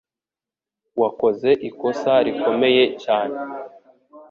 Wakoze ikosa rikomeye cyane.